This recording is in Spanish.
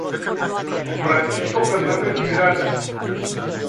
Francisco Fernández y el Arq.